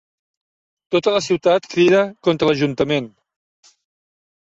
Tota la ciutat crida contra l'Ajuntament.